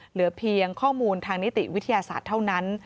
เหลือเพียงข้อมูลทางนิติวิทยาศาสตร์เท่านั้น